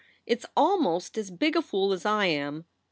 It s almost as big a fool as I am."